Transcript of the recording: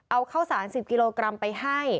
เอาข้าวสาร๑๐กิโลกรัมไปให้